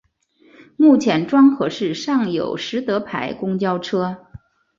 目前庄河市尚有实德牌公交车。